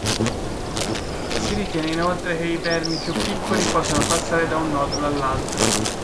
Si ritiene, inoltre, che i vermi più piccoli possano passare da un nodulo all'altro.